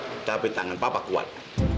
lumpuh tapi tangan papa kuat